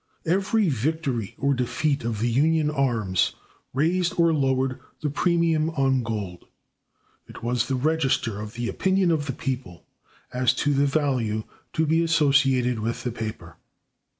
Every victory or defeat of the Union arms raised or lowered the premium on gold; it was the register of the opinion of the people as to the value to be associated with the paper.